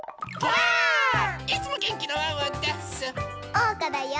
おうかだよ！